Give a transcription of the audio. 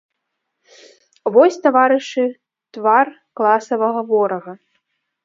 Вось, таварышы, твар класавага ворага!